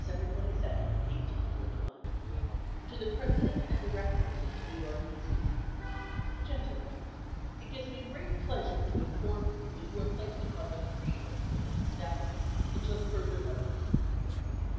27, 1841. To the President and Directors of the New York Museum: GENTLEMEN: It gives me great pleasure to inform you that you are placed upon the Free List of this establishment until further notice.